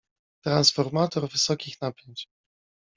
Transformator wysokich napięć.